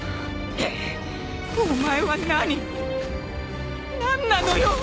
お前は何何なのよ！